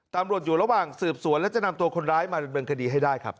ตำรวจอยู่ระหว่างสืบสวนและจะนำตัวคนร้ายมาดำเนินคดีให้ได้ครับ